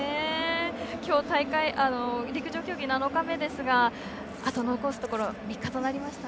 きょう陸上競技７日目ですが残すところ３日となりました。